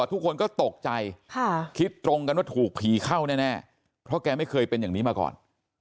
ทุกคนก็ตกใจคิดตรงกันว่าถูกผีเข้าแน่เพราะแกไม่เคยเป็นอย่างนี้มาก่อน